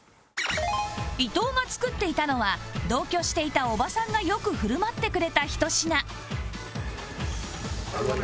伊藤が作っていたのは同居していた叔母さんがよく振る舞ってくれたひと品